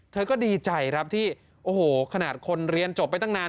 เธอก็ดีใจครับที่โอ้โหขนาดคนเรียนจบไปตั้งนาน